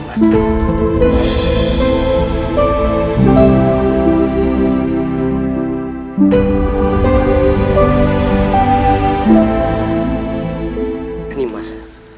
nih mas endang gelis